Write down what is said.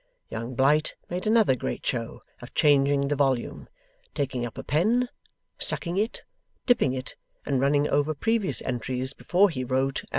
Young Blight made another great show of changing the volume, taking up a pen, sucking it, dipping it, and running over previous entries before he wrote.